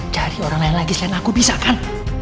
cari orang lain lagi selain aku bisa kan